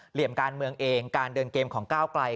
เหลี่ยมการเมืองเองการเดินเกมของก้าวไกล